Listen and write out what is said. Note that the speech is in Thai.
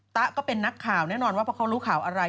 ๊ะก็เป็นนักข่าวแน่นอนว่าเพราะเขารู้ข่าวอะไร